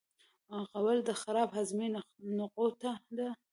غول د خراب هاضمې نغوته ده.